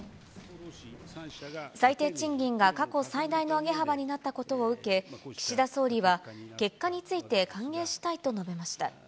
最低賃金が過去最大の上げ幅になったことを受け、岸田総理は、結果について歓迎したいと述べました。